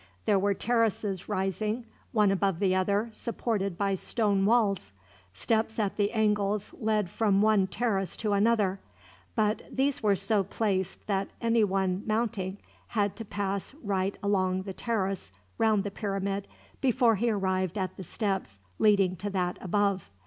There were terraces rising, one above the other, supported by stone walls. Steps at the angles led from one terrace to another, but these were so placed that anyone mounting had to pass right along the terrace round the pyramid, before he arrived at the steps leading to that above.